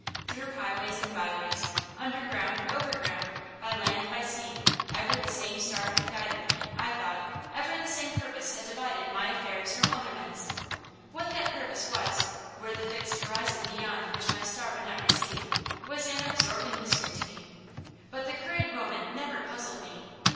Through highways and byways, underground, overground, by land, by sea, ever the same star had guided me, I thought, ever the same purpose had divided my affairs from other men's. What that purpose was, where was the fixed horizon beyond which my star would not recede, was an absorbing mystery to me. But the current moment never puzzled me.